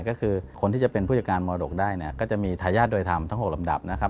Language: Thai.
ก็คือคนที่จะเป็นผู้จัดการมรดกได้เนี่ยก็จะมีทายาทโดยธรรมทั้ง๖ลำดับนะครับ